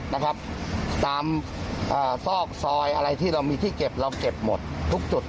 ตามอ่าส่อบซอยอะไรที่เรามีที่เก็บเราเก็บหมดทุกจุด